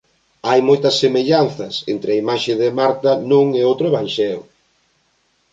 Hai moitas semellanzas entre a imaxe de Marta nun e outro evanxeo.